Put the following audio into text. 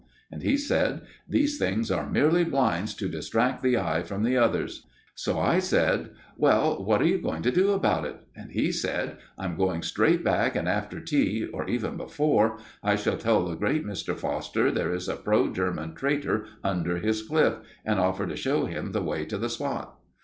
And he said: "These things are merely blinds to distract the eye from the others." So I said: "Well, what are you going to do about it?" And he said: "I am going straight back, and after tea, or even before, I shall tell the great Mr. Foster there is a pro German traitor under his cliff, and offer to show him the way to the spot."